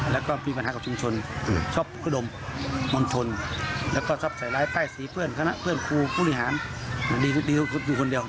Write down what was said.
แล้วก็ตายแล้วก็ต้องติดเพื่อนเริ่มงานของเขา